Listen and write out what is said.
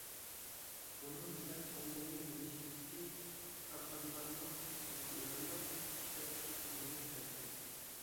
بۇنىڭ بىلەن ئومۇمىي مۈلۈكچىلىكتىكى كارخانىلارنىڭ يۈكى ئېغىرلاپ، ئىشلەپچىقىرىش ئۈنۈمىگە تەسىر يەتتى.